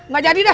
gak jadi dah